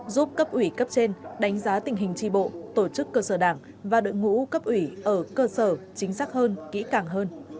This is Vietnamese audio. giúp cấp ủy cấp trên đánh giá tình hình tri bộ tổ chức cơ sở đảng và đội ngũ cấp ủy ở cơ sở chính xác hơn kỹ càng hơn